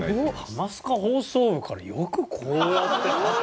「ハマスカ放送部」からよくこうやって発展しますね